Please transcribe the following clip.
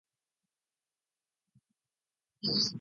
何年も光が当たることなかった。ノンレム睡眠。数年後、誰かが発掘した。